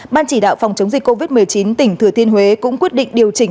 ban chỉ đạo phòng chống dịch covid một mươi chín tỉnh thừa thiên huế cũng quyết định điều chỉnh